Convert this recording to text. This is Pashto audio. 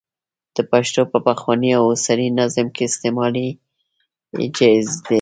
د پښتو په پخواني او اوسني نظم کې استعمال یې جائز دی.